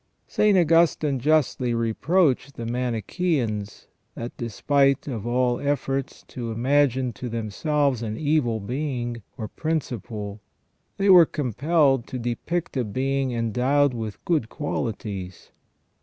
St. Augustine justly reproached the Manicheans that, despite of all efforts to imagine to themselves an evil being, or principle, they were compelled to depict a being endowed with good qualities.